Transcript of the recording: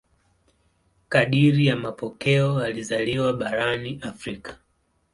Kadiri ya mapokeo alizaliwa barani Afrika.